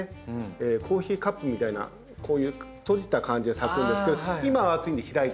コーヒーカップみたいなこういう閉じた感じで咲くんですけど今は暑いんで開いて。